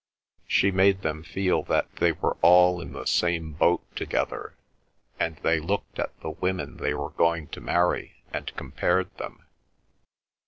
She made them feel that they were all in the same boat together, and they looked at the women they were going to marry and compared them.